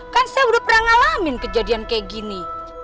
kan saya udah pernah ngalamin kejadian kayak gini